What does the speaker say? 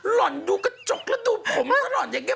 หล่อนดูกระจกแล้วดูผมตลอดอย่างนี้